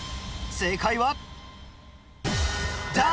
正解は